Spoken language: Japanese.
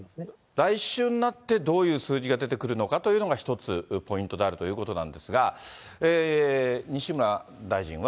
来週になって、どういう数字が出てくるのかというのが一つポイントであるということなんですが、西村大臣は。